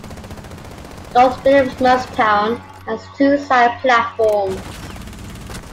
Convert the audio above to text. North Willimastown has two side platforms.